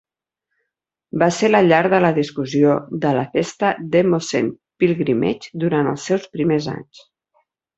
Va ser la llar de la discussió de la festa demoscene Pilgrimage durant els seus primers anys.